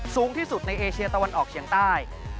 สูงที่สุดในเอเชียตะวันออกเฉียงใต้